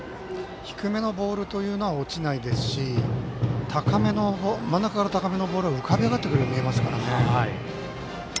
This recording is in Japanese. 低めのボールは落ちないですし真ん中から高めのボールは浮かび上がってくるように思えますからね。